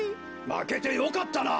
まけてよかったな。